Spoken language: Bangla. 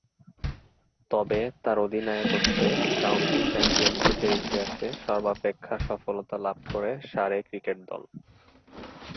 তবে, তার অধিনায়কত্বে কাউন্টি চ্যাম্পিয়নশীপের ইতিহাসে সর্বাপেক্ষা সফলতা লাভ করে সারে ক্রিকেট দল।